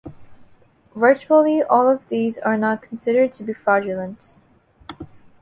Virtually all of these are now considered to be fraudulent.